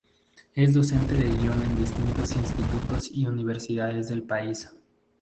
Es docente de guion en distintos institutos y universidades del país.